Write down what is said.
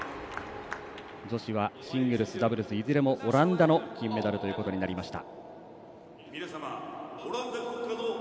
女子はシングルスダブルスいずれもオランダの金メダルということになりました。